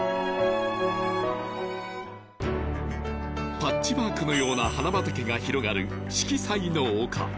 パッチワークのような花畑が広がる「四季彩の丘」